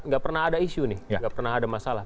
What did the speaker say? nggak pernah ada isu nih nggak pernah ada masalah